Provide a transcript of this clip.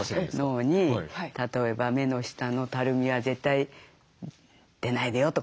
脳に例えば「目の下のたるみは絶対出ないでよ」とか。